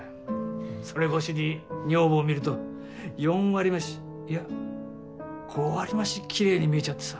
それ越しに女房を見ると４割増しいや５割増しきれいに見えちゃってさ。